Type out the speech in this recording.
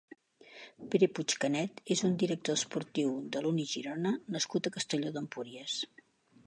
Pere Puig Canet és un director esportiu de l'Uni Girona nascut a Castelló d'Empúries.